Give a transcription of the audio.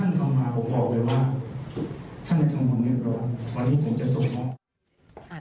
วันนี้ผมจะมอบ